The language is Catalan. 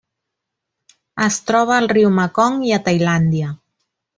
Es troba al riu Mekong i a Tailàndia.